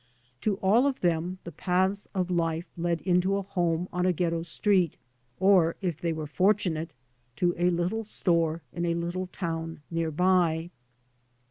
Xo all of them the paths of life led into a home on a ghetto street, or if they were fortunate, to a little store in a little town nearby.